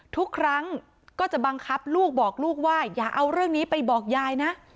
ทุกครั้งก็จะบังคับลูกบอกลูกว่าอย่าเอาเรื่องนี้ไปบอกยายนะ